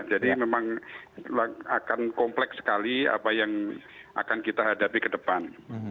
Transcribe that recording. jadi memang akan kompleks sekali apa yang akan kita hadapi ke depan